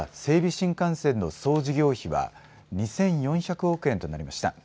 新幹線の総事業費は２４００億円となりました。